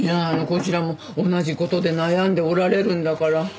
こちらも同じことで悩んでおられるんだから。